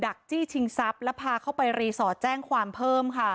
จี้ชิงทรัพย์แล้วพาเข้าไปรีสอร์ทแจ้งความเพิ่มค่ะ